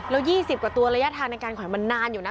แล้ว๒๐กว่าตัวระยะทางในการไขมันนานอยู่นะ